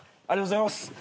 ありがとうございます。